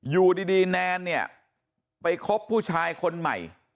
อยู่ดีแนนเนี่ยไปคบผู้ชายคนใหม่